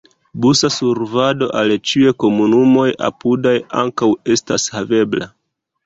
Busa servado al ĉiuj komunumoj apudaj ankaŭ estas havebla.